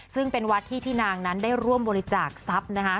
ซึ่งเป็นวัดที่พี่นางนั้นได้ร่วมบริจาคทรัพย์นะคะ